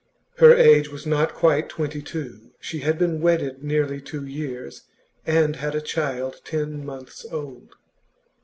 Her age was not quite two and twenty; she had been wedded nearly two years, and had a child ten months old.